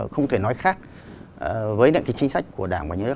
không thể nói khác với những cái chính sách của đảng và nhà nước